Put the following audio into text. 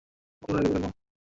এমন মনমরা হয়ে গেলে কেন?